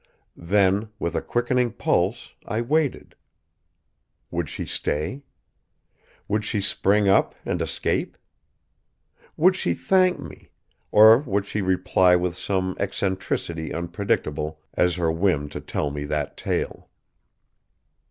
Then, with a quickening pulse, I waited. Would she stay? Would she spring up and escape? Would she thank me, or would she reply with some eccentricity unpredictable as her whim to tell me that tale?